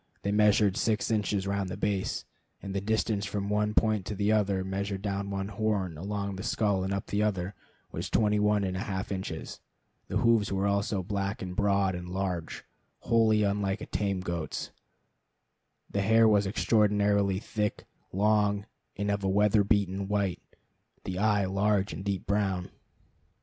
They measured six inches round the base, and the distance from one point to the other, measured down one horn, along the skull, and up the other, was twenty one and a half inches. The hoofs were also black and broad and large, wholly unlike a tame goat's. The hair was extraordinarily thick, long, and of a weather beaten white; the eye large and deep brown.